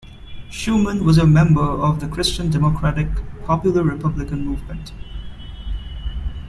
Schumann was a member of the Christian democratic Popular Republican Movement.